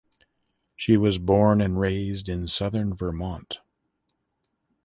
She was born and raised in southern Vermont.